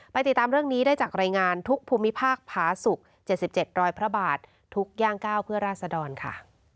ติดตามเรื่องนี้ได้จากรายงานทุกภูมิภาคผาศุกร์๗๗รอยพระบาททุกย่างก้าวเพื่อราศดรค่ะ